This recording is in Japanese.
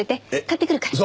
買ってくるから。